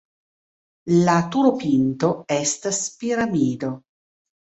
La turopinto estas piramido.